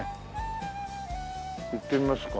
行ってみますか。